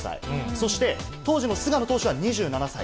そして、当時の菅野投手は２７歳。